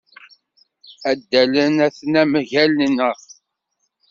Adalen aten-a mgal-nneɣ.